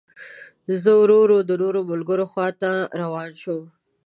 زه ورو ورو د نورو ملګرو خوا ته روان شوم.